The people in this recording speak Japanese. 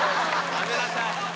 やめなさい！